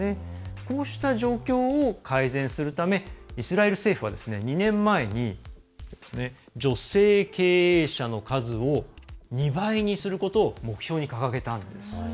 こうした状況を改善するためイスラエル政府は２年前に女性経営者の数を２倍にすることを目標に掲げたんです。